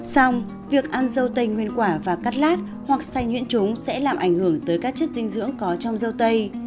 xong việc ăn dâu tây nguyên quả và cắt lát hoặc say nhuyễn chúng sẽ làm ảnh hưởng tới các chất dinh dưỡng có trong dâu tây